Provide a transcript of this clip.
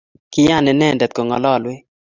Kiyaan inendet kongalalwech